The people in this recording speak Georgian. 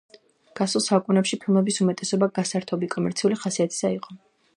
გასულ საუკუნეში ფილმების უმეტესობა გასართობი, კომერციული ხასიათისა იყო.